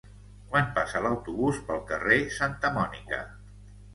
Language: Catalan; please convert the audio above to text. Quan passa l'autobús pel carrer Santa Mònica?